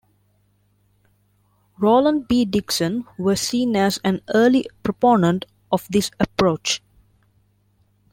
Roland B. Dixon was seen as an early proponent of this approach.